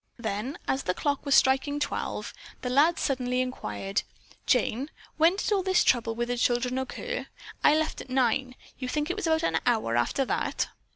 Then, as the clock was striking twelve, the lad suddenly inquired, "Jane, when did all this trouble with the children occur? I left at nine. You think it was about an hour after that?"